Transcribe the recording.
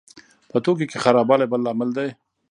په توکو کې خرابوالی بل لامل دی.